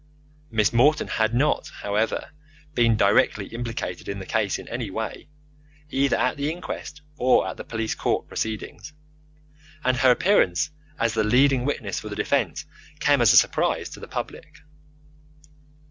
Miss Morton had not, however, been directly implicated in the case in any way, either at the inquest or at the police court proceedings, and her appearance as the leading witness for the defence came as a surprise upon the public.